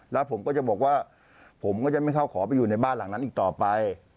แล้วผมก็จะบอกว่าผมก็จะไม่เข้าขอไปอยู่ในบ้านหลังนั้นอีกต่อไป